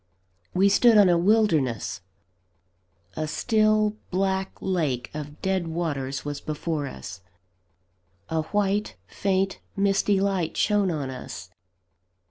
We stood on a wilderness a still, black lake of dead waters was before us; a white, faint, misty light shone on us.